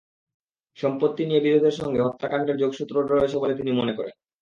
সম্পত্তি নিয়ে বিরোধের সঙ্গে হত্যাকাণ্ডের যোগসূত্র রয়েছে বলে তিনি মনে করেন।